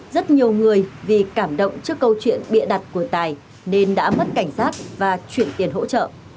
rất nhiều người vì cảm động trước câu chuyện bịa đặt của tài nên đã mất cảnh giác và chuyển tiền hỗ trợ